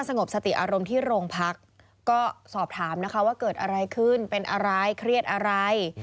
สงบสติอารมณ์ที่โรงพักก็สอบถามนะคะว่าเกิดอะไรขึ้นเป็นอะไรเครียดอะไร